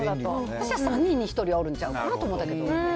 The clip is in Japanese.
そしたら３人に１人はおるんちゃうかなと思ったけど。